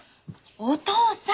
お父さん！